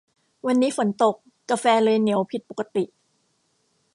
วันนี้ฝนตก กาแฟเลยเหนียวผิดปกติ